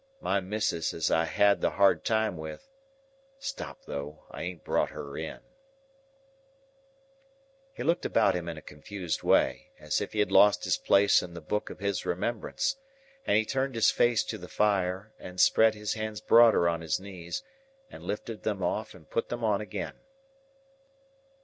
My Missis as I had the hard time wi'—Stop though! I ain't brought her in—" He looked about him in a confused way, as if he had lost his place in the book of his remembrance; and he turned his face to the fire, and spread his hands broader on his knees, and lifted them off and put them on again.